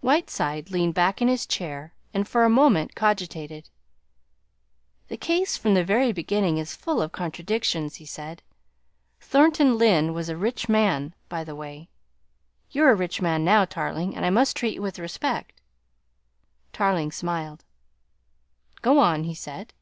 Whiteside leaned back in his chair and for a moment cogitated. "The case from the very beginning is full of contradictions," he said. "Thornton Lyne was a rich man by the way, you're a rich man, now, Tarling, and I must treat you with respect." Tarling smiled. "Go on," he said.